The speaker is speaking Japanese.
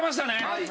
はい。